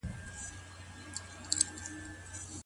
ساینس پوهنځۍ بې هدفه نه تعقیبیږي.